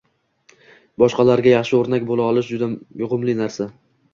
Boshqalarga yaxshi o‘rnak bo‘la olish juda yuqumli narsa.